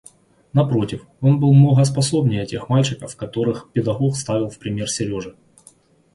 Напротив, он был много способнее тех мальчиков, которых педагог ставил в пример Сереже.